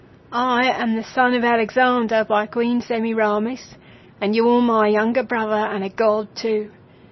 I am the son of Alexander by Queen Semiramis, and you're my younger brother and a god too!